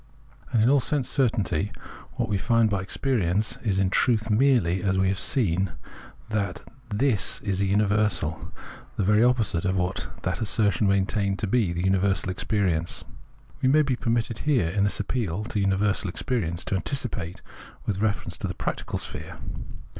And in all sense cer tainty what we find by experience is in truth merely, as we have seen, that " This " is a universal, the very opposite of what that assertion maintained to be universal experience. We may be permitted here, in this appeal to universal experience, to anticipate * with a reference to the practi cal sphere.